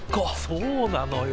そうなのよ。